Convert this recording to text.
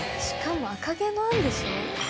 しかも『赤毛のアン』でしょ。